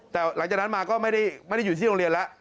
แต่หลังจากนั้นมาก็ไม่ได้อยู่ที่โรงเรียนแล้ว